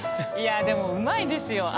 でもうまいですよ。